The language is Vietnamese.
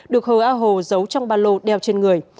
được hờ a hồ giấu trong ba lô đeo trên người